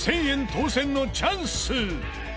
１０００円当せんのチャンス！